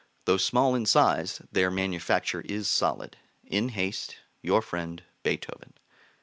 Though small in size, their manufacture is solid. In haste, Your friend, BEETHOVEN.